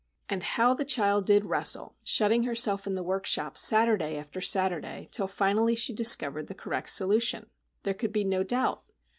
And how the child did wrestle!—shutting herself in the workshop Saturday after Saturday, till finally she discovered the correct solution! There could be no doubt.